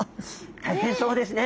大変そうですね。